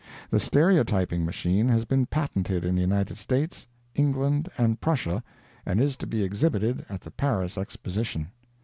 The stereotyping machine has been patented in the United States, England and Prussia, and is to be exhibited at the Paris Exposition.